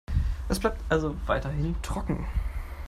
Es bleibt also weiterhin trocken.